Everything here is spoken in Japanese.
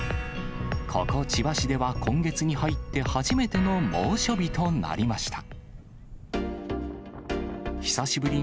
ここ千葉市では今月に入って初めての猛暑日となりました。